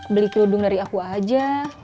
beli keludung dari aku aja